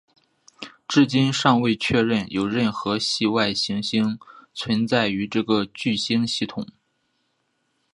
至今尚未确认有任何系外行星存在于这个聚星系统。